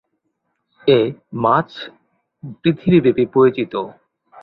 এ মাছ পৃথিবীব্যাপী পরিচিত।